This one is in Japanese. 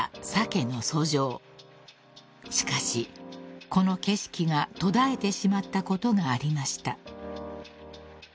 ［しかしこの景色が途絶えてしまったことがありました］